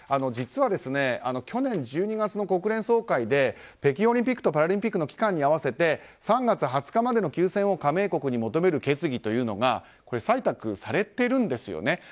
実は、去年１２月の国連総会で北京オリンピックとパラリンピックの機関に合わせて３月２０日までの休戦を求める決議というのが採択されてるんですよね。